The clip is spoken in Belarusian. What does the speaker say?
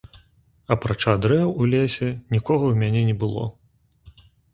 Апрача дрэў у лесе, нікога ў мяне не было.